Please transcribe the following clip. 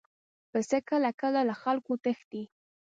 پسه کله کله له خلکو تښتي.